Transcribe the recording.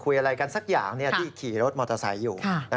อะไรกันสักอย่างที่ขี่รถมอเตอร์ไซค์อยู่